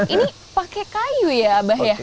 ini pakai kayu ya abah ya